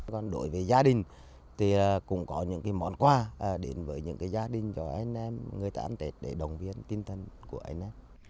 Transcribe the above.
còn đối với gia đình thì cũng có những món quà đến với những gia đình cho anh em người ta ăn tết để đồng viên tinh thần của anh em